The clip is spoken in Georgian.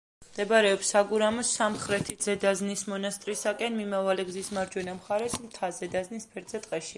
მდებარეობს საგურამოს სამხრეთით, ზედაზნის მონასტრისაკენ მიმავალი გზის მარჯვენა მხარეს, მთა ზედაზნის ფერდზე, ტყეში.